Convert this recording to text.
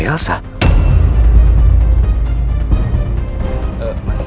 yang nyuruh matteo mba elsa